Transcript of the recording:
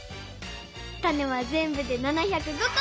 タネはぜんぶで７０５こ！